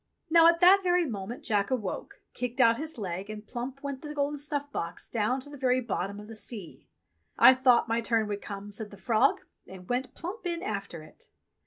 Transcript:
Now, at that very moment Jack awoke, kicked out his leg, and plump went the golden snuff box down to the very bottom of the sea ! "I thought my turn would come," said the frog, and went plump in after it.